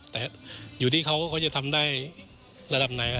แต่อยู่ที่เขาก็จะทำได้ระดับไหนครับ